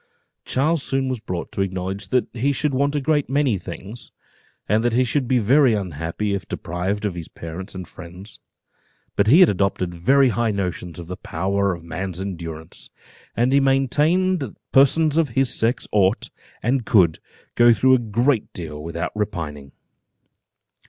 Charles soon was brought to acknowledge that he should want a great many things, and that he should be very unhappy if deprived of his parents and friends; but he had adopted very high notions of the power of man's endurance, and he maintained that persons of his sex ought, and could, go through a great deal without repining.